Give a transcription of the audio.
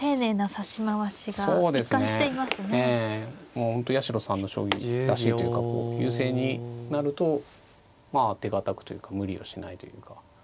もう本当八代さんの将棋らしいというか優勢になるとまあ手堅くというか無理をしないというか。